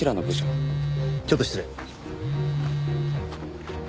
ちょっと失礼。